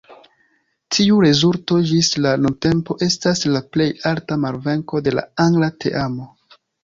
Tiu rezulto ĝis la nuntempo estas la plej alta malvenko de la angla teamo.